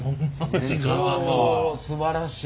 おすばらしい。